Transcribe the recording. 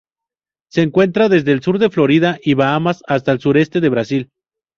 Se encuentra desde el sur de Florida y Bahamas hasta el sureste del Brasil.